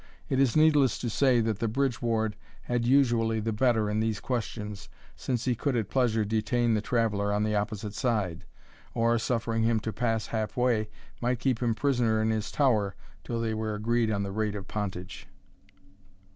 It is needless to say, that the bridge ward had usually the better in these questions, since he could at pleasure detain the traveller on the opposite side; or, suffering him to pass half way, might keep him prisoner in his tower till they were agreed on the rate of pontage.